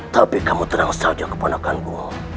tapi kamu tenang saja kepada aku